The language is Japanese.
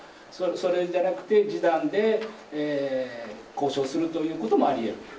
それじゃなくて、示談で交渉するということもありえると？